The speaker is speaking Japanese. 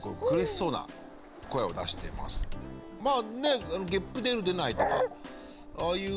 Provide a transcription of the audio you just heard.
まあねっゲップ出る出ないとかああいうのなのかなぁ。